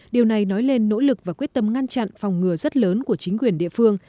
điều này nói lên nỗ lực và quyết tâm ngăn chặn phòng ngừa rất lớn của chính quyền địa phương